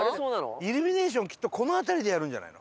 イルミネーションきっとこの辺りでやるんじゃないの？